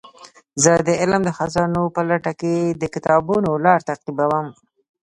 زه د علم د خزانو په لټه کې د کتابونو لار تعقیبوم.